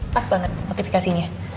pas banget notifikasinya